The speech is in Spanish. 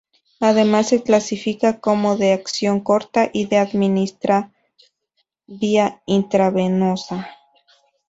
Además, se clasifica como de acción corta y se administra vía intravenosa.